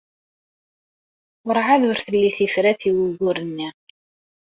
Werɛad ur telli tifrat i wugur-nni.